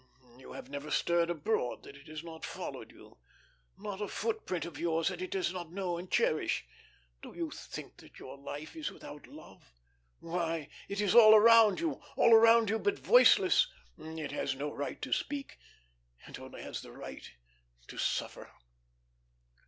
You have never stirred abroad that it has not followed you. Not a footprint of yours that it does not know and cherish. Do you think that your life is without love? Why, it is all around you all around you but voiceless. It has no right to speak, it only has the right to suffer."